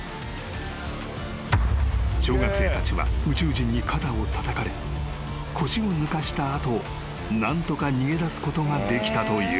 ［小学生たちは宇宙人に肩をたたかれ腰を抜かした後何とか逃げ出すことができたという］